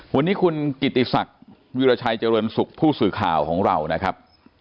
วันนี้คุณกิติศักดิ์วิราชัยเจริญสุขผู้สื่อข่าวของเรานะครับ